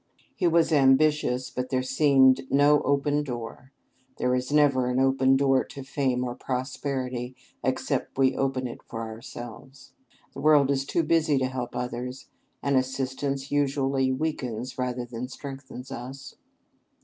He was ambitious; but there seemed no open door. There is never an open door to fame or prosperity, except we open it for ourselves. The world is too busy to help others; and assistance usually weakens rather than strengthens us.